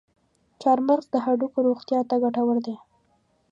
چارمغز د هډوکو روغتیا ته ګټور دی.